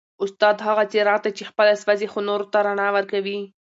استاد هغه څراغ دی چي خپله سوځي خو نورو ته رڼا ورکوي.